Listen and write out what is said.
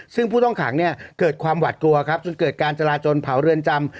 ซึ่งผู้ต้องขังเนี่ยเกิดความหวัดกลัวครับจนเกิดการจราจนเผาเรือนจำ